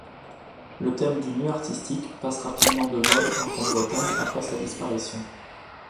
Le thème du nu artistique passe rapidement de mode en Grande-Bretagne après sa disparition.